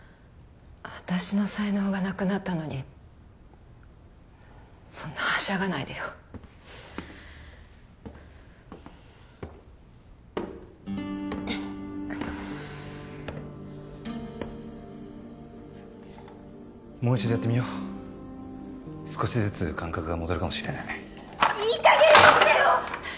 私の才能がなくなったのにそんなはしゃがないでよもう一度やってみよう少しずつ感覚が戻るかもしれないいい加減にしてよ！